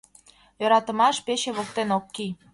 Йӧратымаш пече воктен ок кий.